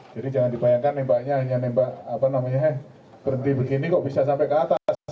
jadi jangan dibayangkan tembaknya hanya nembak berhenti begini kok bisa sampai ke atas